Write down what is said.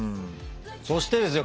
そしてですよ